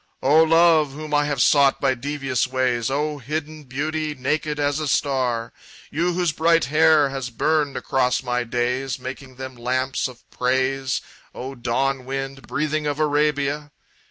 "O love, whom I have sought by devious ways; O hidden beauty, naked as a star; You whose bright hair has burned across my days, Making them lamps of praise; O dawn wind, breathing of Arabia!